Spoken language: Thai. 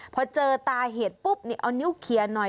พอเจอตาเหตุปุ๊บเอานิ้วเคลียร์หน่อย